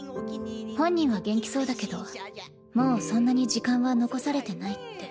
本人は元気そうだけどもうそんなに時間は残されてないって。